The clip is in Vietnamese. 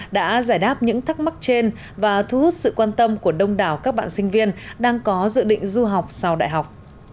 đã giải đáp những thắc mắc trên và thu hút sự quan tâm của đông đảo các bạn sinh viên đang có dự định du học sau đại học